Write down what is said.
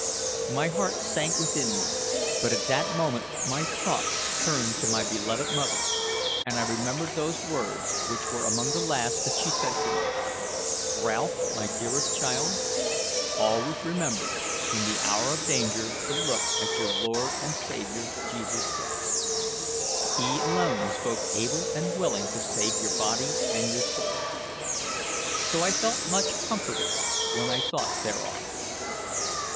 My heart sank within me; but at that moment my thoughts turned to my beloved mother, and I remembered those words, which were among the last that she said to me: "Ralph, my dearest child, always remember, in the hour of danger, to look to your Lord and Saviour Jesus Christ. He alone is both able and willing to save your body and your soul." So I felt much comforted when I thought thereon.